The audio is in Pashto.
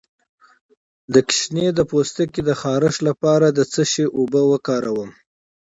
د ماشوم د پوستکي د خارښ لپاره د څه شي اوبه وکاروم؟